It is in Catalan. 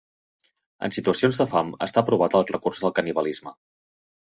En situacions de fam està provat el recurs del canibalisme.